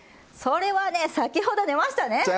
それはね先ほど出ましたね！